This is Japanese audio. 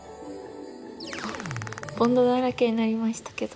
ボンドだらけになりましたけど。